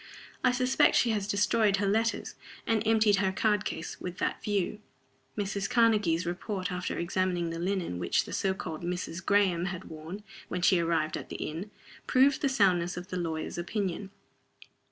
I suspect she has destroyed her letters, and emptied her card case, with that view." Mrs. Karnegie's report, after examining the linen which the so called "Mrs. Graham" had worn when she arrived at the inn, proved the soundness of the lawyer's opinion.